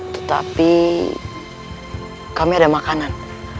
tetapi kami ada makanan